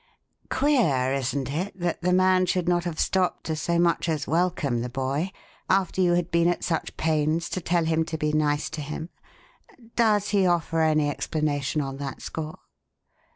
"Queer, isn't it, that the man should not have stopped to so much as welcome the boy after you had been at such pains to tell him to be nice to him? Does he offer any explanation on that score?"